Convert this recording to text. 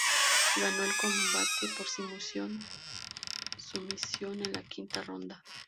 Ganó el combate por sumisión en la quinta ronda.